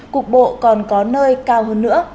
cục bộ còn có nơi cao hơn nữa